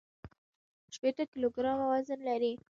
شپېته کيلوګرامه وزن لري.